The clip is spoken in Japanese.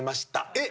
えっ？